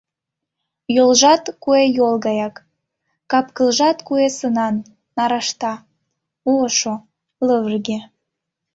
Йолжат — куэ йол гаяк, кап-кылжат куэ сынан — нарашта, ошо, лывырге.